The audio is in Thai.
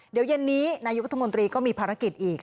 เดี๋ยวเย็นนี้นายุทธมนตรีก็มีภารกิจอีก